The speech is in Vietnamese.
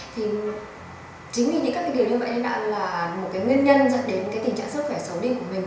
thường xuyên ở ngoài như vậy chính vì những điều như vậy nên là một nguyên nhân dẫn đến tình trạng sức khỏe xấu đi của mình